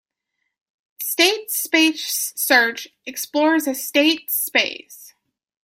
State space search explores a state space.